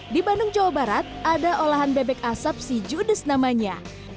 di bandung jawa barat ada olahan bebek asap si judes namanya